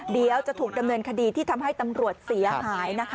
เดี๋ยวจะถูกดำเนินคดีที่ทำให้ตำรวจเสียหายนะคะ